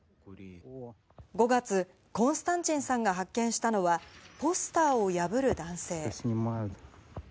５月、コンスタンチンさんが発見したのは、ポスターを破る男性。